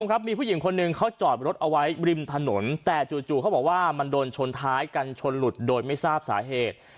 ครับมีผู้หญิงคนหนึ่งเขาจอดรถเอาไว้ริมถนนแต่จู่เขาบอกว่ามันโดนชนท้ายกันชนหลุดโดยไม่ทราบสาเหตุ